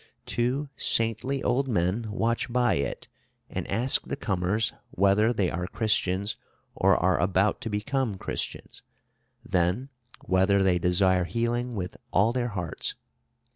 Two saintly old men watch by it, and ask the comers whether they are Christians, or are about to become Christians, then whether they desire healing with all their hearts.